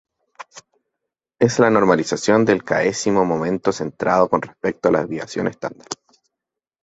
Es la normalización del "k"-simo momento centrado con respecto a la desviación estándar.